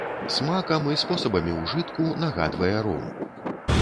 Смакам і спосабамі ўжытку нагадвае ром.